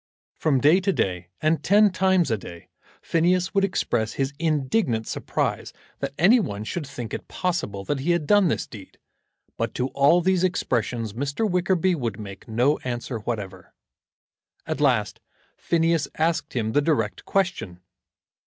From day to day, and ten times a day, Phineas would express his indignant surprise that any one should think it possible that he had done this deed, but to all these expressions Mr. Wickerby would make no answer whatever. At last Phineas asked him the direct question.